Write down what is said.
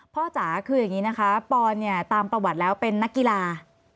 จ๋าคืออย่างนี้นะคะปอนเนี่ยตามประวัติแล้วเป็นนักกีฬา